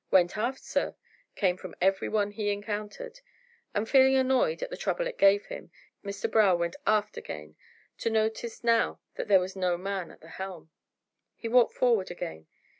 "Went aft, sir," came from every one he encountered; and, feeling annoyed at the trouble it gave him, Mr Brough went aft again, to notice now that there was no man at the helm. He walked forward again.